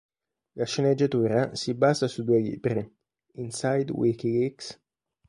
La sceneggiatura si basa su due libri: "Inside WikiLeaks.